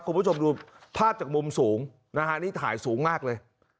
คุณผู้ชมดูภาพจากมุมสูงนะฮะนี่ถ่ายสูงมากเลย